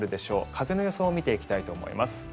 風の予想を見ていきたいと思います。